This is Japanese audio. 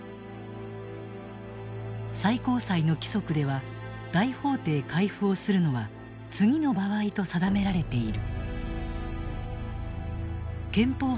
最高裁の規則では大法廷回付をするのは次の場合と定められている。